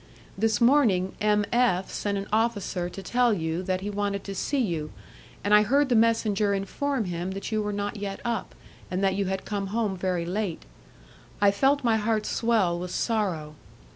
This morning, M. F. sent an officer to tell you that he wanted to see you, and I heard the messenger inform him that you were not yet up, and that you had come home very late. I felt my heart swell with sorrow.